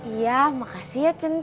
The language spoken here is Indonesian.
iya makasih ya cikgu